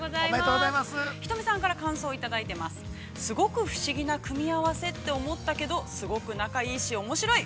すごく不思議な組み合わせと思ったけど、すごく仲がいいし、おもしろい。